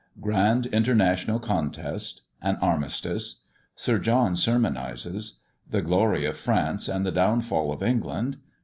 GRAND INTER NATIONAL CONTEST. AN ARMISTICE. SIR JOHN SERMONISES. THE GLORY OF FRANCE AND THE DOWNFALL OF ENGLAND.